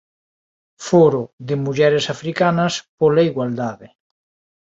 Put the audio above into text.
Foro de mulleres africanas pola igualdade